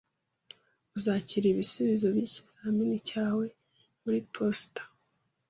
Uzakira ibisubizo byikizamini cyawe muri posita.